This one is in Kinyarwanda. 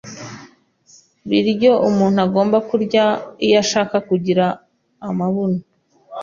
biryo umuntu agomba kurya iyo ashaka kugira amabuno